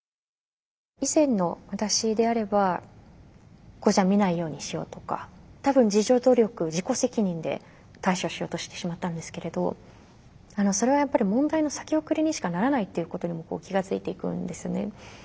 以前の私であれば見ないようにしようとか多分自助努力自己責任で対処しようとしてしまったんですけれどそれはやっぱり問題の先送りにしかならないっていうことに気が付いていくんですね。